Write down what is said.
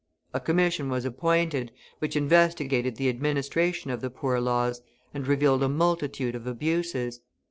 A commission was appointed, which investigated the administration of the Poor Laws, and revealed a multitude of abuses.